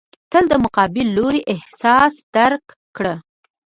تل د مقابل لوري احساس درک کړه.